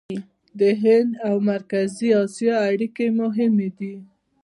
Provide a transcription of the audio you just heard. د هند او مرکزي اسیا اړیکې مهمې دي.